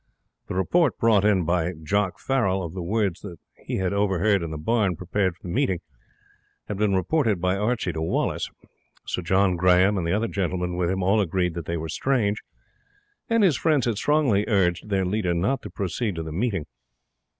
The report brought in by Jock Farrell of the words that he had overheard in the barn prepared for the meeting, had been reported by Archie to Wallace. Sir John Grahame and the other gentlemen with him all agreed that they were strange, and his friends had strongly urged their leader not to proceed to the meeting.